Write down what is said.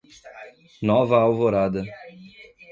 Nova Alvorada